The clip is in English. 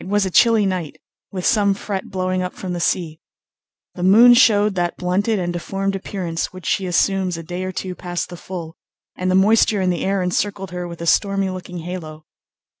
It was a chilly night, with some fret blowing up from the sea. The moon showed that blunted and deformed appearance which she assumes a day or two past the full, and the moisture in the air encircled her with a stormy looking halo.